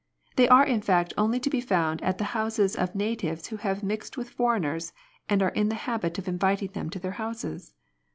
They are in fact only to be found at the houses of natives who have mixed with foreigners and are in the habit of inviting them to their houses.